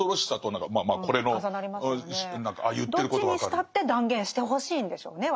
どっちにしたって断言してほしいんでしょうね